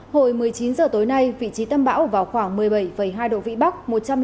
hồi một mươi chín h tối nay vị trí tâm bão vào khoảng một mươi bảy hai độ vĩ bắc